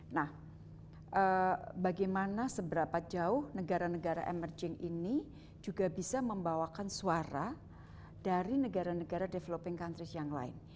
nah bagaimana seberapa jauh negara negara emerging ini juga bisa membawakan suara dari negara negara developing countries yang lain